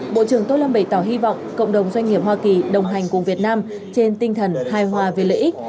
bộ trưởng tô lâm bày tỏ hy vọng cộng đồng doanh nghiệp hoa kỳ đồng hành cùng việt nam trên tinh thần hài hòa về lợi ích